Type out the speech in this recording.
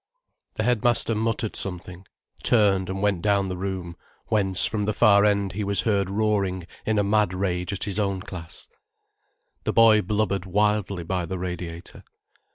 The headmaster muttered something, turned, and went down the room, whence, from the far end, he was heard roaring in a mad rage at his own class. The boy blubbered wildly by the radiator.